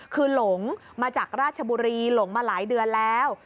คือหลงมาจากราชบุรีหลงมาหลายเดือนแล้ว